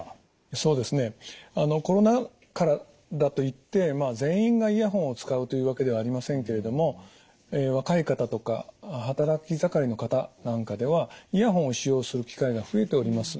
そうですねあのコロナ禍だといってまあ全員がイヤホンを使うというわけではありませんけれども若い方とか働き盛りの方なんかではイヤホンを使用する機会が増えております。